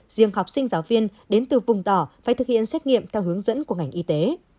riêng học sinh giáo viên đến từ vùng đỏ phải thực hiện xét nghiệm theo hướng dẫn của ngành y tế